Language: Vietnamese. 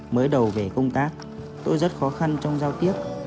mới đầu về công tác tôi rất khó khăn trong giao tiếp